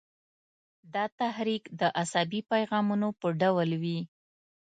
دا تحریک د عصبي پیغامونو په ډول وي.